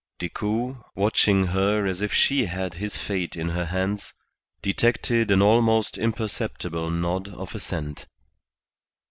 Decoud, watching her as if she had his fate in her hands, detected an almost imperceptible nod of assent.